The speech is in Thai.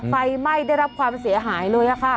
ไฟไหม้ได้รับความเสียหายเลยค่ะ